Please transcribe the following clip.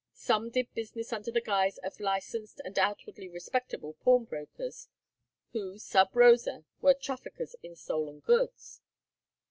Some did business under the guise of licensed and outwardly respectable pawnbrokers, who sub rosâ were traffickers in stolen goods.